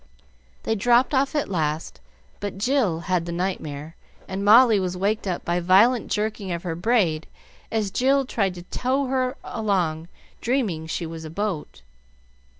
They dropped off at last; but Jill had the nightmare, and Molly was waked up by a violent jerking of her braid as Jill tried to tow her along, dreaming she was a boat.